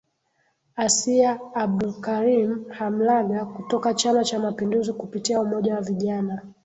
Asia Abdulkarim Hamlaga kutoka Chama cha mapinduzi kupitia umoja wa Vijana